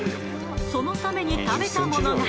そのために食べたものが。